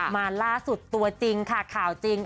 มาล่าสุดตัวจริงค่ะข่าวจริง